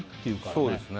そうですね